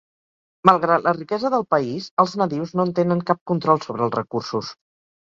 Malgrat la riquesa del país, els nadius no en tenen cap control sobre els recursos.